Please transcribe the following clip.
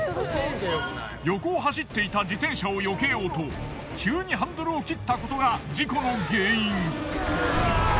横を走っていた自転車を避けようと急にハンドルを切ったことが事故の原因。